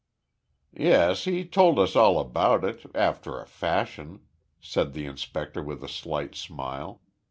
"Yes, he told us all about it after a fashion," said the inspector with a slight smile.